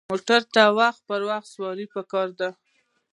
موټر ته وخت په وخت سروس پکار دی.